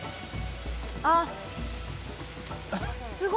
あっ。